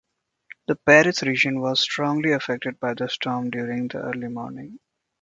The Paris region was strongly affected by the storm during the early morning.